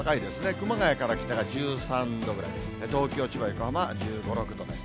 熊谷から北が１３度ぐらい、東京、千葉、横浜は１５、６度です。